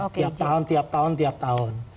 tiap tahun tiap tahun tiap tahun